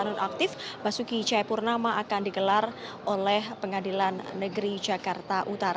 dan aktif basuki cahaya purnama akan digelar oleh pengadilan negeri jakarta